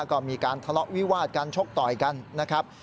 ก็มีการทะเลาะวิวาดกันชกต่อยกันนะครับ